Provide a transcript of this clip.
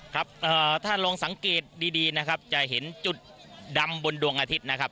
ครับถ้าลองสังเกตดีนะครับจะเห็นจุดดำบนดวงอาทิตย์นะครับ